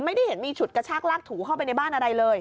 ไม่ได้เห็นมีฉุดกระชากลากถูเข้าไปในบ้านอะไรเลย